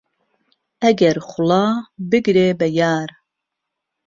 ئهگهر خوڵا بگرێ به یار